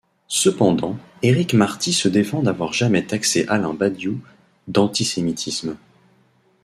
Cependant, Éric Marty se défend d'avoir jamais taxé Alain Badiou d'antisémitisme.